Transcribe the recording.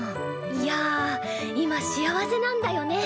いや今幸せなんだよね。